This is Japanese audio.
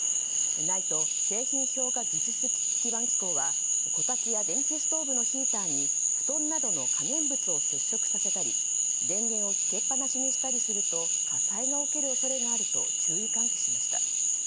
ＮＩＴＥ・製品評価技術基盤機構はこたつや電気ストーブのヒーターに布団などの可燃物を接触させたり電源をつけっぱなしにしたりすると火災が起きる恐れがあると注意喚起しました。